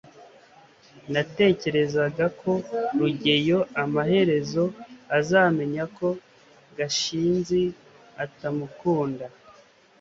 natekerezaga ko rugeyo amaherezo azamenya ko gashinzi atamukunda